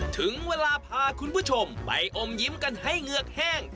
ถึงเวลาพาคุณผู้ชมไปอมยิ้มกันให้เหงือกแห้ง